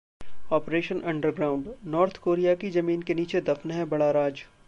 Operation underground: North Korea की जमीन के नीचे दफ्न है बड़ा राज!